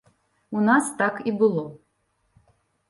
У нас так і было.